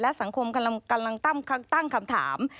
สังคมกำลังตั้งคำถาม